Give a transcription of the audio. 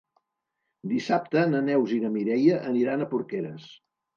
Dissabte na Neus i na Mireia aniran a Porqueres.